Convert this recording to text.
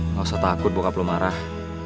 nggak usah takut bokap lo marah